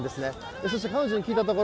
そして彼女に聞いたところ